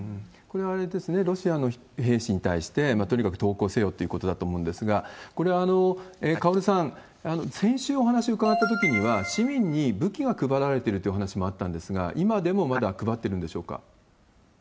これ、あれですね、ロシアの兵士に対して、とにかく投降せよっていうことだと思うんですが、これ、カオルさん、先週お話伺ったときには、市民に武器が配られてるっていうお話もあったんですが、今でもまだ配ってるんでしょうか？